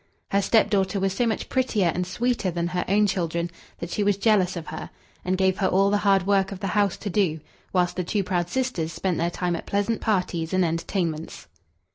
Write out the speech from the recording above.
Her stepdaughter was so much prettier and sweeter than her own children, that she was jealous of her, and gave her all the hard work of the house to do, whilst the two proud sisters spent their time at pleasant parties and entertainments.